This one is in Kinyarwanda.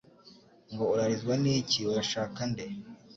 ngo: " Urarizwa ni iki ? Urashaka nde ?"